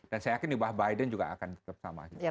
saya yakin di bawah biden juga akan tetap sama gitu